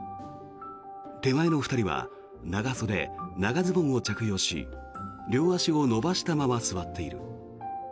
手前の２人は長袖、長ズボンを着用し両足を伸ばしたまま座っている。